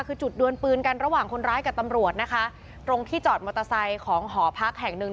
คือจุดดวนปืนกันระหว่างคนร้ายกับตำรวจนะคะตรงที่จอดมอเตอร์ไซค์ของหอพักแห่งหนึ่ง